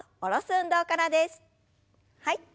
はい。